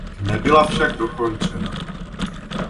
Nebyla však dokončena.